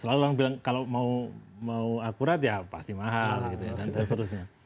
selalu orang bilang kalau mau akurat ya pasti mahal gitu ya dan seterusnya